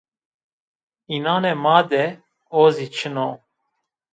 Înanê ma de o zî çin o